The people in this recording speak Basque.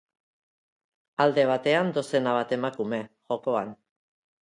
Alde batean dozena bat emakume, jokoan.